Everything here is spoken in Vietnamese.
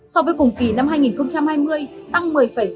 so với cùng kỳ năm hai nghìn hai mươi tăng một mươi sáu mươi sáu